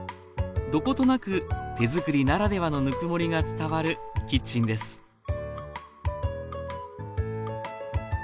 どことなく手づくりならではのぬくもりが伝わるキッチンですへえ。